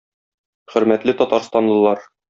Хөрмәтле татарстанлылар!